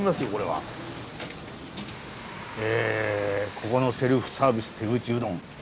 ここの「セルフサービス手打うどん」。